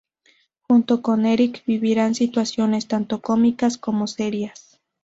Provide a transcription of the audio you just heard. Junto con Eric, vivirán situaciones tanto cómicas como serias.